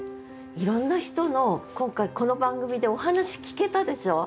いろんな人の今回この番組でお話聞けたでしょ？